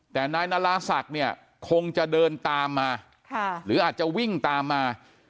แต่นายนาราศักดิ์เนี่ยคงจะเดินตามมาหรืออาจจะวิ่งตามมา